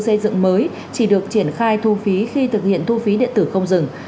các trạm thu phí đầu tư xây dựng mới chỉ được triển khai thu phí khi thực hiện thu phí điện tử không dừng